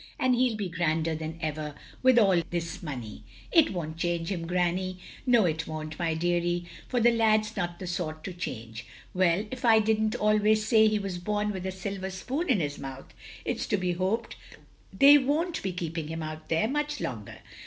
And he *11 be grander than ever, with all this money. " It won't change him. Granny. "No, it won't, my deary, for the lad 's not the sort to change. Well, if I did n't always say he was bom with a silver spoon in his mouth. It 's to be hoped they won't be keeping him out there much longer."